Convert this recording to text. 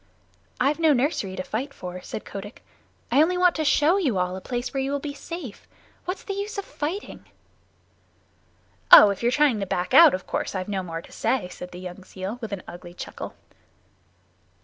"I've no nursery to fight for," said Kotick. "I only want to show you all a place where you will be safe. What's the use of fighting?" "Oh, if you're trying to back out, of course I've no more to say," said the young seal with an ugly chuckle.